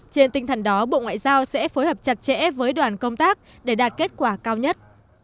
trên tinh thần đó bộ ngoại giao sẽ phối hợp chặt chẽ với đoàn công tác để đạt kết quả cao nhất